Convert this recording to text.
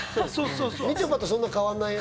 みちょぱとそんな変わんないよ。